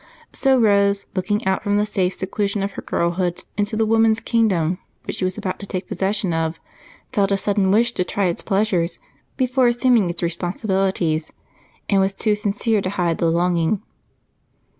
So Rose, looking out from the safe seclusion of her girlhood into the woman's kingdom which she was about to take possession of, felt a sudden wish to try its pleasures before assuming its responsibilities, and was too sincere to hide the longing.